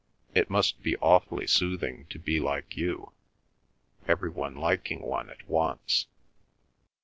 It must be awfully soothing to be like you—every one liking one at once."